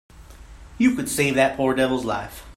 You could save that poor devil's life.